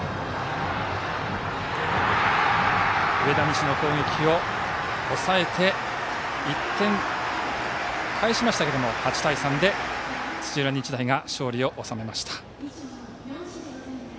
上田西の攻撃を抑えて１点返されましたが８対３で土浦日大が勝利を収めました。